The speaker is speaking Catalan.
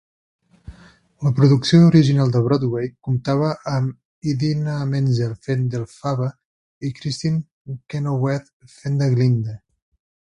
La producció original de Broadway comptava amb Idina Menzel fent d'Elphaba i Kristin Chenoweth fent de Glinda.